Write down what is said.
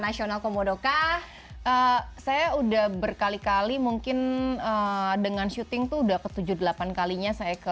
nasional komodokah saya udah berkali kali mungkin dengan syuting tuh udah ke tujuh puluh delapan kalinya saya ke